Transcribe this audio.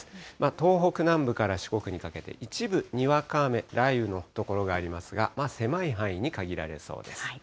東北南部から四国にかけて、一部にわか雨、雷雨の所がありますが、狭い範囲に限られそうです。